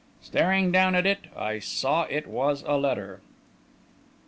Staring down at it, I saw it was a letter.